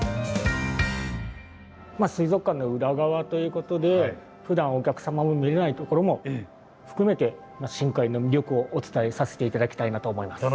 まっ水族館の裏側ということでふだんお客様も見れないところも含めて深海の魅力をお伝えさせて頂きたいなと思います。